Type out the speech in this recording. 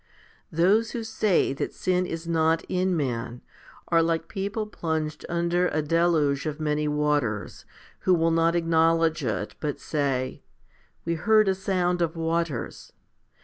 10. Those who say that sin is not in man, are like people plunged under a deluge of many waters, who will not acknowledge it, but say, "We heard a sound of waters."